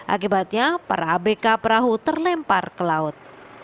akibatnya para abk perahu terlempar ke laut